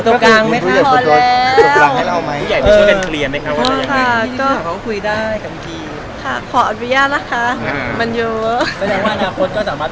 แต่ว่าทุกวันนี้เราก็พยายามทำให้มันดีที่สุด